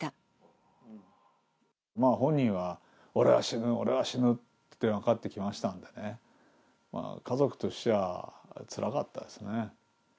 まあ、本人は俺は死ぬ、俺は死ぬってかかってきましたんでね、家族としてはつらかったですね。